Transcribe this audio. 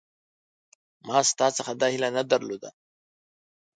ما ستا څخه دا هیله نه درلوده